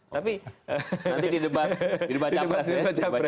nanti di debat di debat capres ya